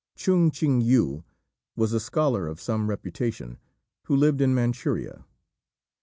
Chung Ch'ing yü was a scholar of some reputation, who lived in Manchuria.